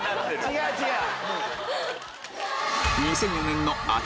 違う違う！